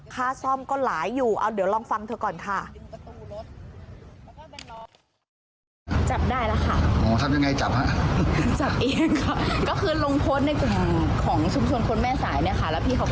ค่าซ่อมก็หลายอยู่เอาเดี๋ยวลองฟังเธอก่อนค่ะ